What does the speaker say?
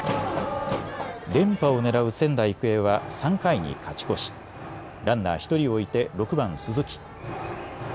連覇をねらう仙台育英は３回に勝ち越し、ランナー１人を置いて６番・鈴木。